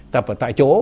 tập ở tại chỗ